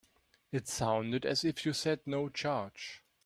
It sounded as if you said no charge.